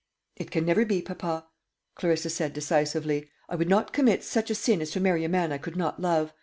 "It can never be, papa," Clarissa said decisively; "I would not commit such a sin as to marry a man I could not love.